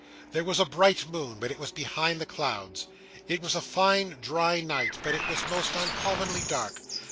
There was a bright moon, but it was behind the clouds. It was a fine dry night, but it was most uncommonly dark.